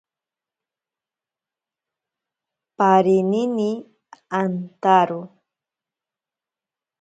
Parinini antaro.